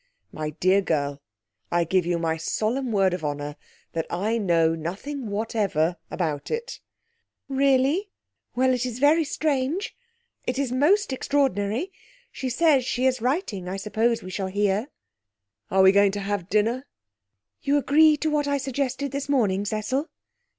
'My dear girl, I give you my solemn word of honour that I know nothing whatever about it.' 'Really? Well, it is very strange. It is most extraordinary! She says she is writing. I suppose we shall hear.' 'Are we going to have dinner?' 'You agree to what I suggested this morning, Cecil?'